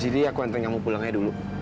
jadi aku hantar kamu pulangnya dulu